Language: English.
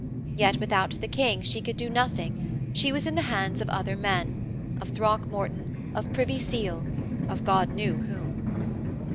Yet without the King she could do nothing; she was in the hands of other men: of Throckmorton, of Privy Seal, of God knew whom.